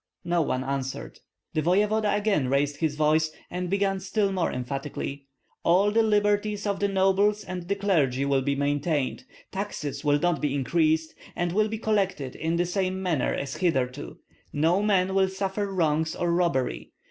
No one answered. The voevoda again raised his voice, and began still more emphatically: "All the liberties of the nobles and the clergy will be maintained; taxes will not be increased, and will be collected in the same manner as hitherto; no man will suffer wrongs or robbery.